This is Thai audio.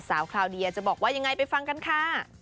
คราวเดียจะบอกว่ายังไงไปฟังกันค่ะ